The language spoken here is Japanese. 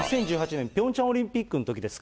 ２０１８年、ピョンチャンオリンピックのときです。